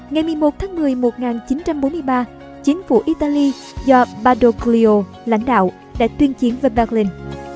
ngày một mươi một tháng một mươi một nghìn chín trăm bốn mươi ba chính phủ italy do badoglio lãnh đạo đã tuyên chiến với berlin